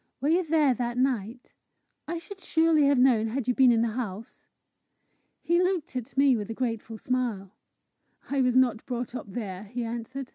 Were you there that night? I should surely have known had you been in the house!" He looked at me with a grateful smile. "I was not brought up there," he answered.